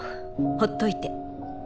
ほっといて。